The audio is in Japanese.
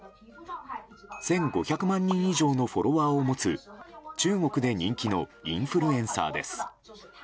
１５００万人以上のフォロワーを持つ中国で人気のインフルエンサーです。